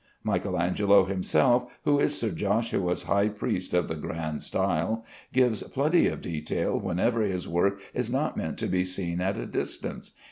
Michael Angelo himself, who is Sir Joshua's high priest of the grand style, gives plenty of detail whenever his work is not meant to be seen at a distance.